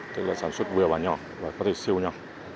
tức là sản xuất vừa và nhỏ và có thể siêu nhỏ